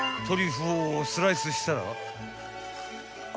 ［トリュフをスライスしたら］